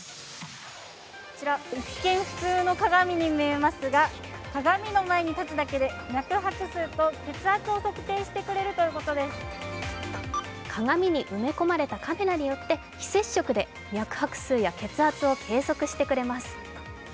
こちら一見、普通の鏡に見えますが鏡の前に立つだけで、脈拍数と血圧を測定してくれると鏡に埋め込まれたカメラによって、非接触で脈拍や血圧を計測してくれます。